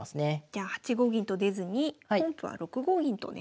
じゃあ８五銀と出ずに本譜は６五銀と出ました。